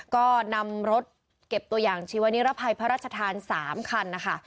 ก็นำรถเก็บตัวอย่างชีวนิรภัยพระราชทาน๓คันนะคะ